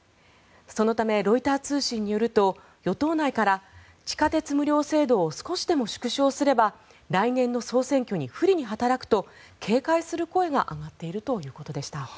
そのため、ロイター通信によると与党内から地下鉄無料制度を少しでも縮小すれば来年の総選挙に不利に働くと警戒する声が上がっているということでした。